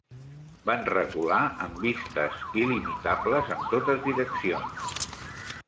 Van recular en vistes il·limitables en totes direccions.